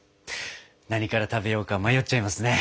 何から食べようか迷っちゃいますね。